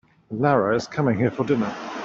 Lara is coming here for dinner.